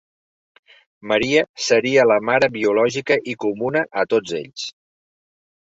Maria seria la mare biològica i comuna a tots ells.